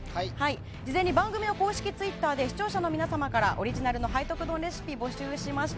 事前に番組の公式ツイッターで視聴者の皆さんからオリジナルの背徳丼レシピを募集しました。